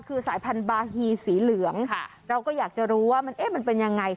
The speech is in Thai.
คือสายพันธุ์บาฮีสีเหลือง